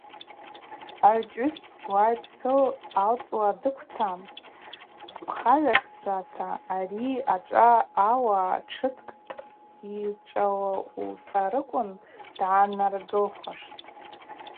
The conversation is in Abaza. Агӏвычӏвгӏвыс дпсуа, йпсы алцӏуа дыквта, дпхагӏвацата ари ачӏва ауа тшыткӏ йшӏауцӏарыквын дгӏанаргылхуаштӏ.